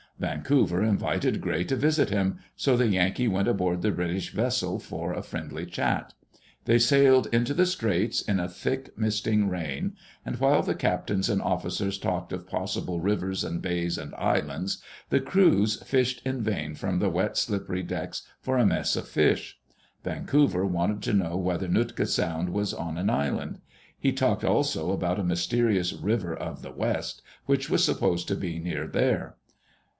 Vancouver invited Gray to visit him, so the Yankee went aboard the British vessel for a friendly chat. They sailed into the Straits, in a thick misting rain, and while Digitized by CjOOQ IC WHEN CAPTAIN GRAY CROSSED JHE BAR the captains and officers talked of possible rivers and bays and islands, the crews fished in vain from the wet, slippery decks for a mess of fish. Vancouver wanted to know whether Nootka Sound was on an island. He talked also about ^ mysterious River of the West which was supposed to be near there.